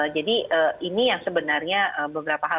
jadi ini yang sebenarnya beberapa hal